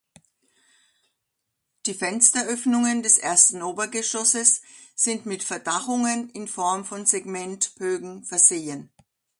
Die Fensteröffnungen des ersten Obergeschosses sind mit Verdachungen in Form von Segmentbögen versehen.